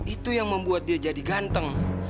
itu yang membuat dia jadi ganteng